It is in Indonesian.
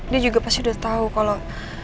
dia juga pasti udah tahu kalau